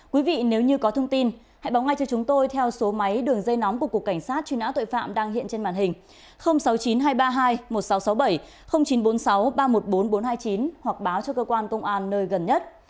quý vị nếu như có thông tin hãy báo ngay cho chúng tôi theo số máy đường dây nóng của cục cảnh sát truy nã tội phạm đang hiện trên màn hình sáu mươi chín hai trăm ba mươi hai một nghìn sáu trăm sáu mươi bảy chín trăm bốn mươi sáu ba trăm một mươi bốn nghìn bốn trăm hai mươi chín hoặc báo cho cơ quan công an nơi gần nhất